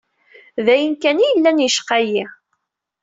D ayen kan i yellan yecqa-yi.